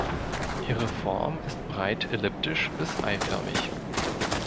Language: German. Ihre Form ist breit elliptisch bis eiförmig.